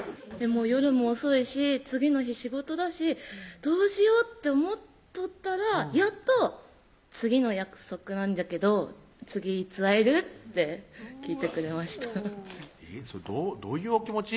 夜も遅いし次の日仕事だしどうしようって思っとったらやっと「次の約束なんじゃけど次いつ会える？」って聞いてくれましたそれどういうお気持ち？